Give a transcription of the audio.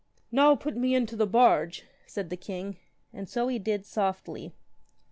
Now put me into the barge, said the king: and so he did softly.